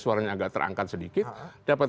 suaranya agak terangkat sedikit dapat